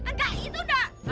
enggak itu udah